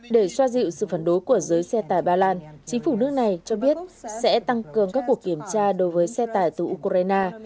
để xoa dịu sự phản đối của giới xe tải ba lan chính phủ nước này cho biết sẽ tăng cường các cuộc kiểm tra đối với xe tải từ ukraine